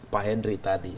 pak henry tadi